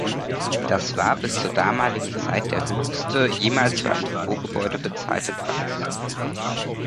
Das war bis zur damaligen Zeit der höchste jemals für ein Büro-Gebäude bezahlte Preis.